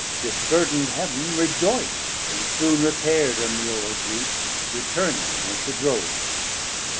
Disburd'nd Heav'n rejoic'd, and soon repaird Her mural breach, returning whence it rowld.